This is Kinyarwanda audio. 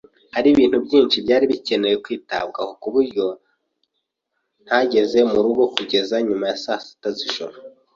Hariho ibintu byinshi byari bikeneye kwitabwaho, ku buryo ntageze mu rugo kugeza nyuma ya saa sita z'ijoro.